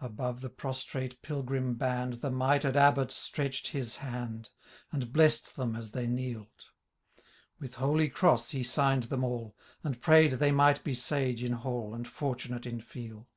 Above the prostrate pilgrim band The mitred Abbot streteh'd his hand. And bless'd them as they kneeVd ; With holy cross he sign'd them all. And pray'd they might be sage in hall. And fortunate in field.